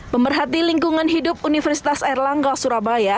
pemerhati lingkungan hidup universitas erlangga surabaya